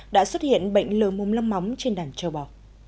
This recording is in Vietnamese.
đã xuất hiện bệnh lờ mồm long móng trên đàn châu bò